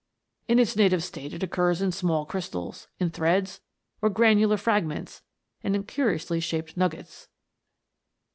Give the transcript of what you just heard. In its native state it occurs in small crystals, in threads, or granular fragments, and in curiously shaped nuggets.